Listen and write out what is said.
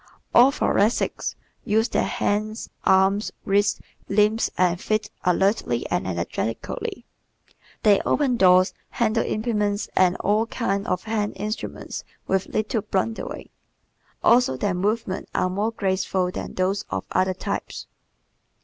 All Thoracics use their hands, arms, wrists, limbs and feet alertly and energetically. They open doors, handle implements and all kinds of hand instruments with little blundering. Also their movements are more graceful than those of other types.